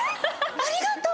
ありがとう。